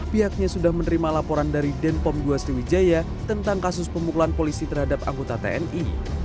pihaknya sudah menerima laporan dari denpom dua sriwijaya tentang kasus pemukulan polisi terhadap anggota tni